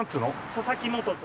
佐々木元と。